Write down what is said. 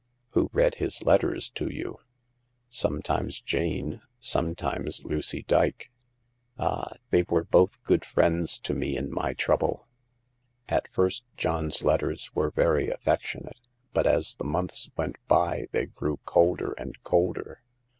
" Who read his letters to you ?"Sometimes Jane, sometimes Lucy Dyke. Ah ! they were both good friends to me in my trouble. At first John's letters were very affec tionate, but as the months went by they grew colder and colder.